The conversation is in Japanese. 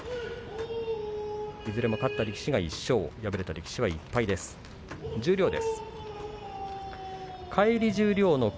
いずれも勝った力士が１勝敗れた力士が１敗です。